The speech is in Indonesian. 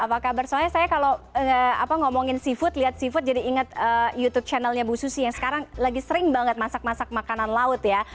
apa kabar soalnya saya kalau ngomongin seafood lihat seafood jadi inget youtube channelnya bu susi yang sekarang lagi sering banget masak masak makanan laut ya